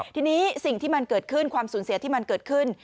ทีนี้สิ่งที่มันเกิดขึ้นความสูญเสียที่มันเกิดขึ้น